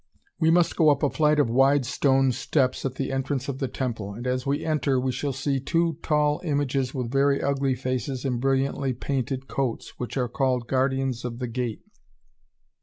We must go up a flight of wide stone steps at the entrance of the temple, and as we enter we shall see two tall images with very ugly faces and brilliantly painted coats, which are called "Guardians of the Gate."